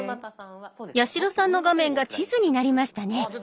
八代さんの画面が地図になりましたね。